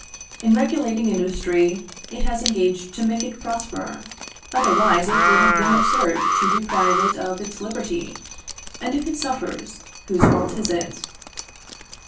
In regulating industry, it has engaged to make it prosper, otherwise it would have been absurd to deprive it of its liberty; and if it suffers, whose fault is it?